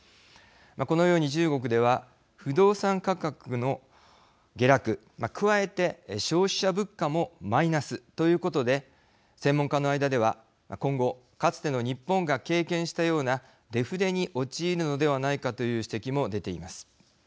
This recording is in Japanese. このように中国では不動産価格の下落加えて消費者物価もマイナスということで専門家の間では今後かつての日本が経験したようなデフレに陥るのではないかという指摘も出ています。